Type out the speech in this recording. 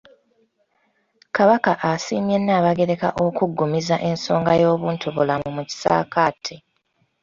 Kabaka asiimye Nnaabagereka okuggumiza ensonga y'obuntubulamu mu kisaakaate.